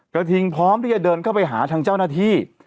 กระทิงพร้อมที่จะเดินเข้าไปหาทางเจ้าหน้าที่